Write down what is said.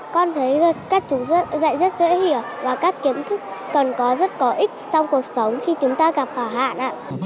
con thấy các chú dạy rất dễ hiểu và các kiến thức cần có rất có ích trong cuộc sống khi chúng ta gặp hỏa hạn